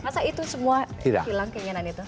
masa itu semua hilang keinginan itu